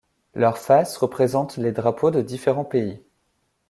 Leurs faces représentent les drapeaux de différents pays.